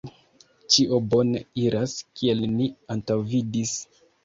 Ĉio bone iras, kiel ni antaŭvidis.